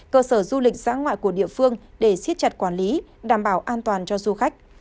cơ sở du lịch xã ngoại của địa phương để siết chặt quản lý đảm bảo an toàn cho du khách